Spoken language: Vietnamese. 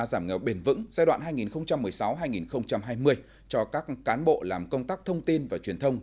giảm nghèo bền vững giai đoạn hai nghìn một mươi sáu hai nghìn hai mươi cho các cán bộ làm công tác thông tin và truyền thông